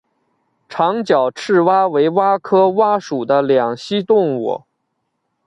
长脚赤蛙为蛙科蛙属的两栖动物。